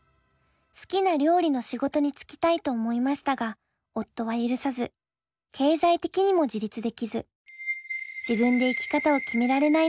好きな料理の仕事に就きたいと思いましたが夫は許さず経済的にも自立できず「自分で生き方を決められない」